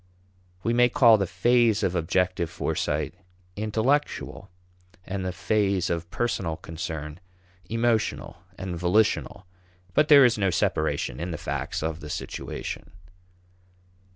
We may call the phase of objective foresight intellectual, and the phase of personal concern emotional and volitional, but there is no separation in the facts of the situation.